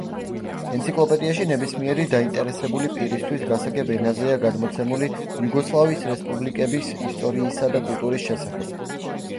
ენციკლოპედიაში ნებისმიერი დაინტერესებული პირისთვის გასაგებ ენაზეა გადმოცემული იუგოსლავიის რესპუბლიკების ისტორიისა და კულტურის შესახებ.